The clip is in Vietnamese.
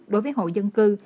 đối với hộ dân cư